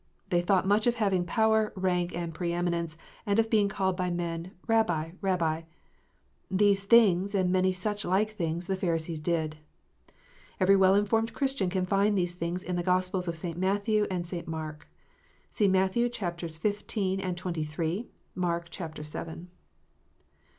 They thought much of having power, rank, and pre eminence, and of being called by men, " Rabbi, Kabbi." These things, and many such like things, the Pharisees did. Every well informed Christian can find these things in the Gospels of St. Matthew and St. Mark. (See Matthew, chaps, xv. and xxiii. ; Mark, chap, vii.)